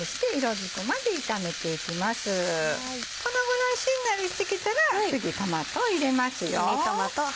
このぐらいしんなりしてきたら次トマトを入れますよ。